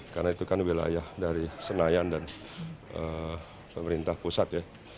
karena itu kan wilayah dari senayan dan pemerintah pusat